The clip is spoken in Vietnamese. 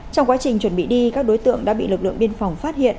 trong quá trình chuẩn bị đi các đối tượng đã bị lực lượng biên phòng phát hiện